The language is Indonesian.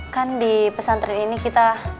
kan di pesantren ini kita